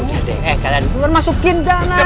udah deh kalian masukin dah nak